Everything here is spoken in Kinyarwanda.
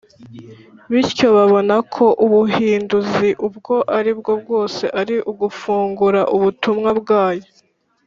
bityo, babona ko ubuhinduzi ubwo ari bwo bwose ari ugufungura ubutumwa bwayo